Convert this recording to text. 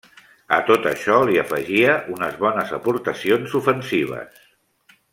A tot això li afegia unes bones aportacions ofensives.